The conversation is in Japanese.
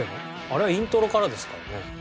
あれはイントロからですからね。